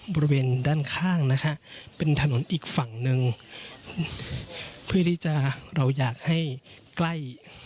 บริเวณด้านข้างนะฮะเป็นถนนอีกฝั่งหนึ่งเพื่อที่จะเราอยากให้ใกล้